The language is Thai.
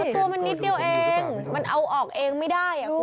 ตัวมันนิดเดียวเองมันเอาออกเองไม่ได้คุณ